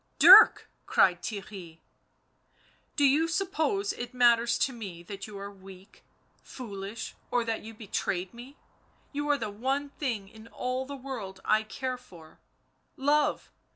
" Dirk !" cried Theirry. " Do you suppose it matters to me that you are weak, foolish, or that you betrayed me ? You are the one thing in all the world I care for. ... Love